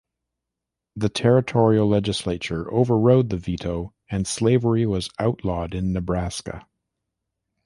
The territorial legislature overrode the veto, and slavery was outlawed in Nebraska.